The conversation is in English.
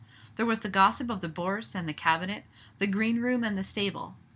There was the gossip of the Bourse and the cabinet, the green room and the stable.